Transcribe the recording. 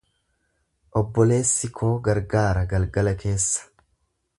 Obboleessi koo gargaara galgala keessa.